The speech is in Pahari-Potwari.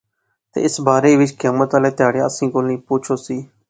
تہ اس بارے وچ قیامت والے تہاڑے آنسیں کولا پچھ ہوسی